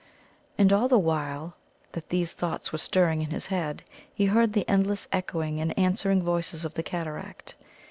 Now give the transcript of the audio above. And all the while that these thoughts were stirring in his head he heard the endless echoing and answering voices of the cataract.